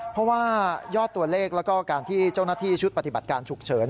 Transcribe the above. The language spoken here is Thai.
เพราะว่ายอดตัวเลขแล้วก็การที่เจ้าหน้าที่ชุดปฏิบัติการฉุกเฉิน